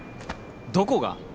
どこが？